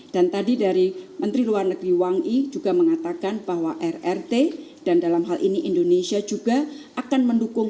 dan tadi dari menteri luar negeri wang yi juga mengatakan bahwa rrt dan dalam hal ini indonesia juga akan mendukung